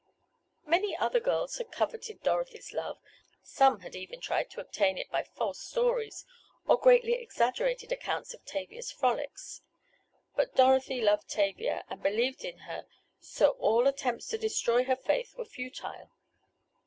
Many other girls had coveted Dorothy's love; some had even tried to obtain it by false stories, or greatly exaggerated accounts of Tavia's frolics. But Dorothy loved Tavia, and believed in her, so all attempts to destroy her faith were futile.